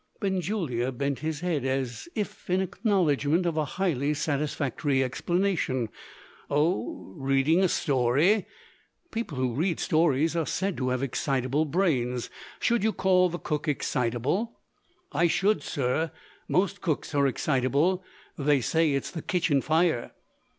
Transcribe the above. Benjulia bent his head, as if in acknowledgment of a highly satisfactory explanation. "Oh? reading a story? People who read stories are said to have excitable brains. Should you call the cook excitable?" "I should, sir! Most cooks are excitable. They say it's the kitchen fire."